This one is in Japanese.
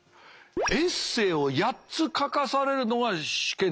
エッセーを８つ書かされるのが試験。